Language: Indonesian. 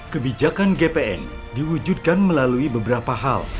kebijakan gpn diwujudkan melalui beberapa hal